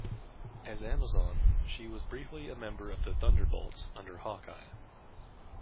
As Amazon, she was briefly a member of the Thunderbolts under Hawkeye.